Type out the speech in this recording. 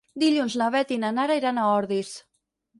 Dilluns na Beth i na Nara iran a Ordis.